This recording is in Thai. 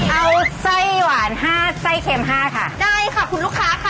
เอาไส้หวานห้าไส้เค็มห้าค่ะได้ค่ะคุณลูกค้าค่ะ